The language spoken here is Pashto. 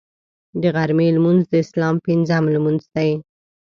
د غرمې لمونځ د اسلام پنځم لمونځ دی